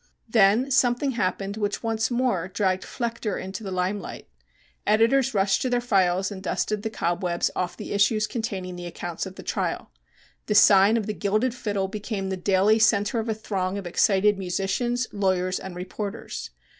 Then something happened which once more dragged Flechter into the limelight. Editors rushed to their files and dusted the cobwebs off the issues containing the accounts of the trial. The sign of the gilded fiddle became the daily centre of a throng of excited musicians, lawyers and reporters.